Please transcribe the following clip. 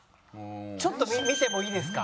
ちょっと見てもいいですか？